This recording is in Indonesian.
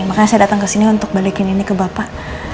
makanya saya datang kesini untuk balikin ini ke bapak